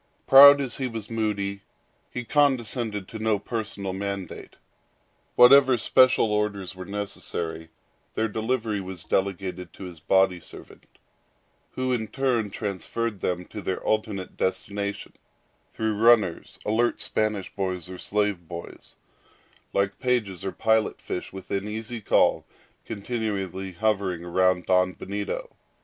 Proud as he was moody, he condescended to no personal mandate. Whatever special orders were necessary, their delivery was delegated to his body servant, who in turn transferred them to their ultimate destination, through runners, alert Spanish boys or slave boys, like pages or pilot fish within easy call continually hovering round Don Benito.